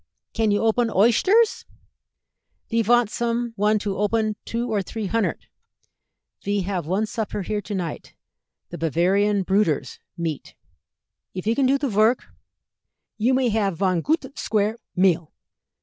Can you open oyshters? Ve vant some one to open two or tree hundert; ve have one supper here to night the 'Bavarian Brüders' meet. If you can do the vork, you may have von goot sqvare meal."